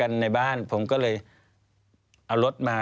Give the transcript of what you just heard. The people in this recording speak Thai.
แล้วเขาสร้างเองว่าห้ามเข้าใกล้ลูก